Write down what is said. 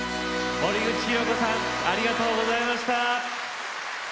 森口博子さんありがとうございました。